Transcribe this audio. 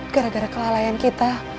gara gara kelalaian kita